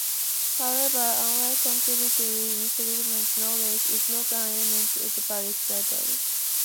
However, unlike contributory infringement, knowledge is not an element of vicarious liability.